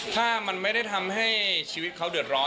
ถ้ามันไม่ได้ทำให้ชีวิตเขาเดือดร้อน